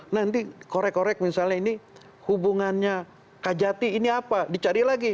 nanti korek korek misalnya ini hubungannya kajati ini apa dicari lagi